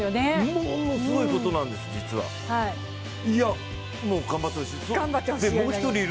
ものすごいことなんです、実は、頑張ってほしい。